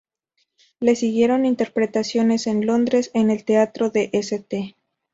Le siguieron interpretaciones en Londres en el Teatro de St.